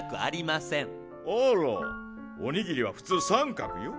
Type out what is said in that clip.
あらおにぎりは普通三角よ。